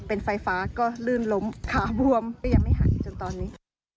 เป็นไฟฟ้าก็ลื่นล้มขาบวมก็ยังไม่หายจนตอนนี้